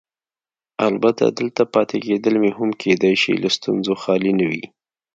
البته دلته پاتې کېدل مې هم کیدای شي له ستونزو خالي نه وي.